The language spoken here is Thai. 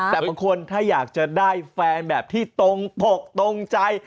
แต่บางคนถ้าอยากจะได้แฟนแบบที่ตรงอกตรงใจ